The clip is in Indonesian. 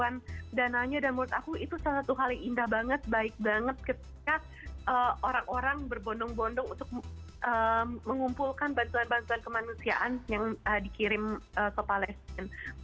dananya dan menurut aku itu salah satu hal yang indah banget baik banget ketika orang orang berbondong bondong untuk mengumpulkan bantuan bantuan kemanusiaan yang dikirim ke palestina